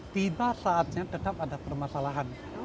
tiba saatnya tetap ada permasalahan